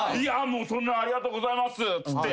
そんなありがとうございますっつって。